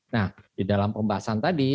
nah di dalam pembahasan tadi